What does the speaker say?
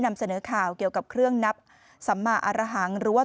นำเสนอข่าวเกี่ยวกับเครื่องนับสัมมาอารหังหรือว่า